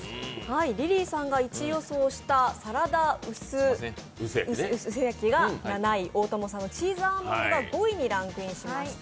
リリーさんが１位予想したサラダうす焼が７位、大友さんのチーズアーモンドが５位にランクインしました。